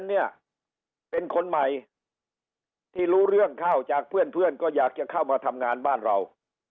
เนี่ยเป็นคนใหม่ที่รู้เรื่องเข้าจากเพื่อนก็อยากจะเข้ามาทำงานบ้านเรา